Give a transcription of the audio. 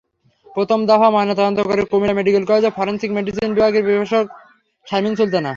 প্রথম দফা ময়নাতদন্ত করেন কুমিল্লা মেডিকেল কলেজের ফরেনসিক মেডিসিন বিভাগের প্রভাষক শারমিন সুলতানা।